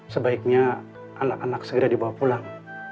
sebaiknya anak anak segera dibawa pulang